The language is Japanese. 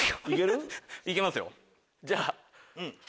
いけますよ。